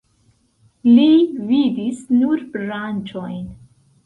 Li vidis nur branĉojn.